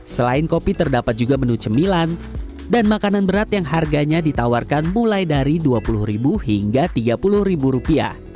selain kopi terdapat juga menu cemilan dan makanan berat yang harganya ditawarkan mulai dari rp dua puluh hingga rp tiga puluh